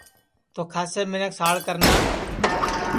تو کھاسے منکھ ساڑ کرنا